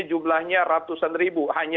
jumlahnya ratusan ribu hanya